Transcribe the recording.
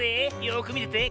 よくみてて。